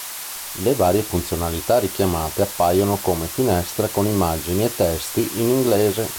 Le varie funzionalità richiamate appaiono come finestre con immagini e testi in inglese.